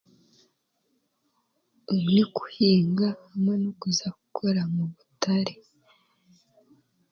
N'okuhinga hamwe n'okuza kukora mu butare.